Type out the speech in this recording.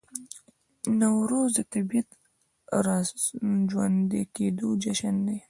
نوروز د طبیعت د راژوندي کیدو جشن دی.